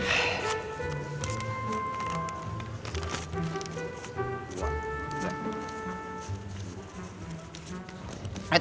ini udah berapa